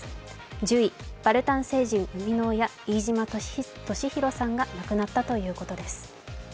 １０位、バルタン星人の生みの親、飯島敏宏さんが亡くなったということです。